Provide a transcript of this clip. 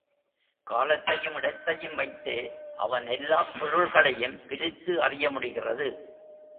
காலத்தையும் இடத்தையும் வைத்தே அவன் எல்லாப் பொருள்களையும் பிரித்து அறிய முடிகிறது.